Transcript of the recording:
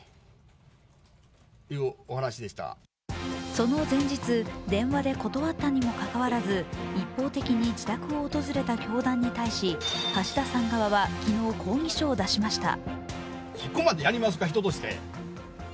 その前日、電話で断ったにもかかわらず一方的に自宅を訪れた教団に対し、橋田さん側は昨日、抗議書を出しました。